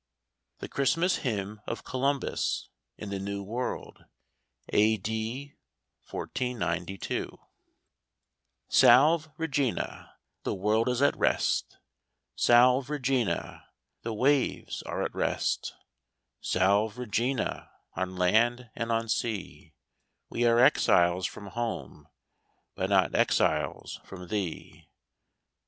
THE CHRISTMAS HYMN OF COLUMBUS IN THE NEW WORLD. 1492. QALVE Regina, The world is at rest; Salve Regina, The waves are at rest. Salve Regina, On land and on sea. We are exiles from home. But not exiles from thee.